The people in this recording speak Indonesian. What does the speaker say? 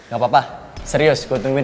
gapapa serius gue tungguin